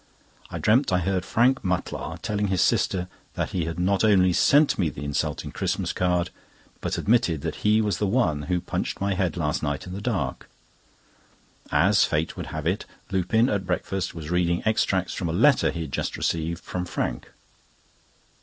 I dreamt I heard Frank Mutlar telling his sister that he had not only sent me the insulting Christmas card, but admitted that he was the one who punched my head last night in the dark. As fate would have it, Lupin, at breakfast, was reading extracts from a letter he had just received from Frank.